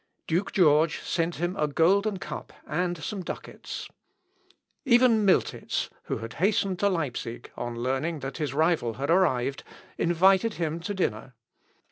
Duke George sent him a golden cup and some ducats. Even Miltitz, who had hastened to Leipsic, on learning that his rival had arrived, invited him to dinner.